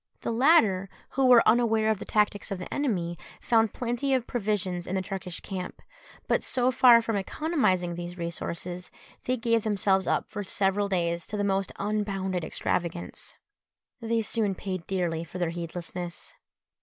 The latter, who were unaware of the tactics of the enemy, found plenty of provisions in the Turkish camp; but so far from economising these resources, they gave themselves up for several days to the most unbounded extravagance. They soon paid dearly for their heedlessness.